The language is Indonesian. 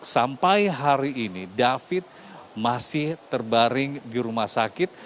sampai hari ini david masih terbaring di rumah sakit